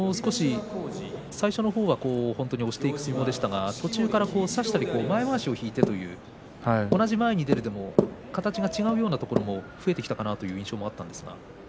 最初の方は本当に押していく相撲でしたが、途中から差したり前まわしを引いてという同じ前に出るでも形が違うようなところも増えてきたかなという印象がありました。